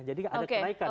jadi ada kenaikan